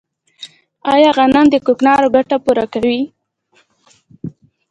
آیا غنم د کوکنارو ګټه پوره کوي؟